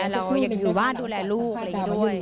เรายังอยู่บ้านดูแลลูกอะไรอย่างนี้ด้วย